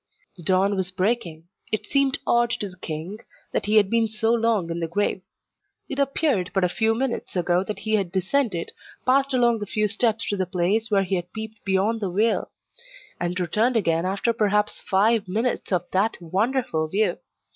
The dawn was breaking. It seemed odd to the king that he had been so long in the grave. It appeared but a few minutes ago that he had descended, passed along a few steps to the place where he had peeped beyond the veil, and returned again after perhaps five minutes of that wonderful view!